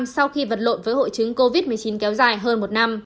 sau khi vật lộn với hội chứng covid một mươi chín kéo dài hơn một năm